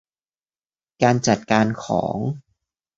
การจัดการของ